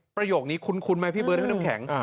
ประโยคนี้คุ้นไหมพี่เบิร์ดพี่น้ำแข็ง